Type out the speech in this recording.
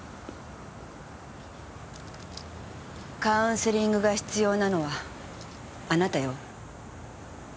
カウンセリングが必要なのはあなたよ。